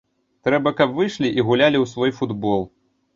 Трэба, каб выйшлі і гулялі у свой футбол.